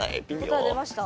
答え出ました？